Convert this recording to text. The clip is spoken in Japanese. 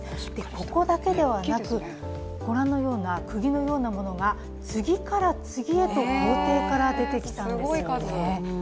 ここだけではなく、ご覧のようなくぎのようなものが次から次へと校庭から出てきたんですよね。